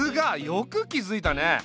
よく気付いたね。